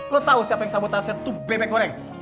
lo tau siapa yang sabotase tuh bebek goreng